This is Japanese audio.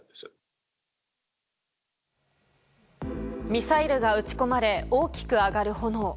ミサイルが撃ち込まれ大きく上がる炎。